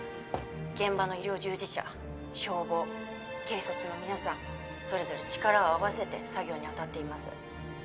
現場の医療従事者消防警察の皆さんそれぞれ力を合わせて作業に当たっています。